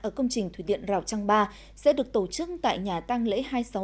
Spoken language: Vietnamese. ở công trình thủy điện giao trang ba sẽ được tổ chức tại nhà tăng lễ hai mươi sáu